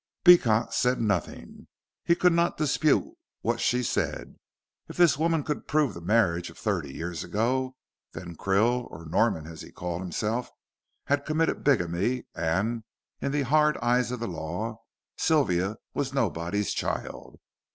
Beecot said nothing. He could not dispute what she said. If this woman could prove the marriage of thirty years ago, then Krill, or Norman as he called himself, had committed bigamy, and, in the hard eyes of the law, Sylvia was nobody's child.